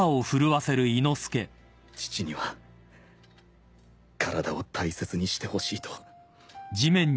父には体を大切にしてほしいと。